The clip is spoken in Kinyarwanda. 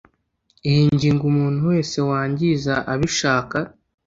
iyi ngingo umuntu wese wangiza abishaka